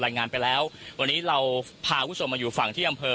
งานไปแล้ววันนี้เราพาคุณผู้ชมมาอยู่ฝั่งที่อำเภอ